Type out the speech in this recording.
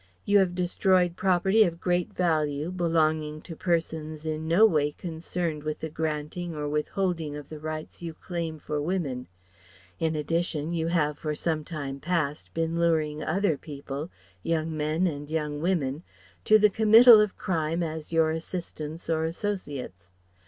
You have destroyed property of great value belonging to persons in no way concerned with the granting or withholding of the rights you claim for women. In addition, you have for some time past been luring other people young men and young women to the committal of crime as your assistants or associates.